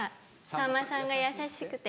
さんまさんが優しくて。